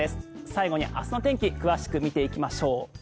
最後に明日の天気詳しく見ていきましょう。